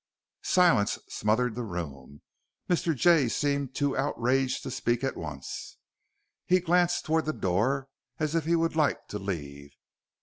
Silence smothered the room. Mr. Jay seemed too outraged to speak at once. He glanced toward the door as if he would like to leave.